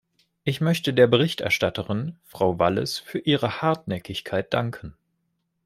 Ich möchte der Berichterstatterin, Frau Wallis, für ihre Hartnäckigkeit danken.